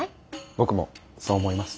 僕もそう思います。